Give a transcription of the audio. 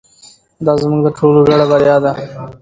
دا زموږ د ټولو ګډه بریا ده.